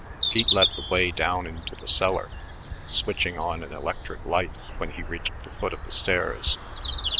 Pete led the way down into the cellar, switching on an electric light when he reached the foot of the stairs.